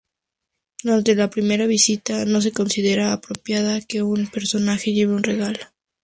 Durante la primera visita no se considera apropiado que una persona lleve un regalo.